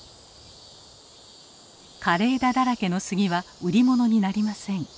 枯れ枝だらけの杉は売り物になりません。